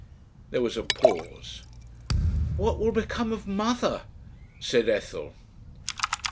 There was a pause. "What will become of Mother?" said Ethel.